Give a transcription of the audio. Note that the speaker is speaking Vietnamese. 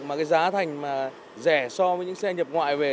mà cái giá thành mà rẻ so với những xe nhập ngoại về